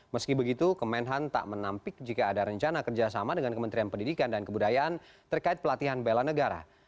meski begitu kemenhan tak menampik jika ada rencana kerjasama dengan kementerian pendidikan dan kebudayaan terkait pelatihan bela negara